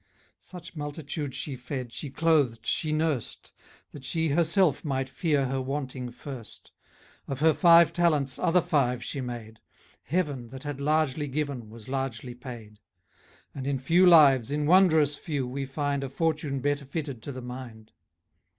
Such multitudes she fed, she clothed, she nurst, That she herself might fear her wanting first. Of her five talents, other five she made; Heaven, that had largely given, was largely paid; And in few lives, in wonderous few, we find A fortune better fitted to the mind.